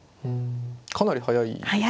かなり早いですね。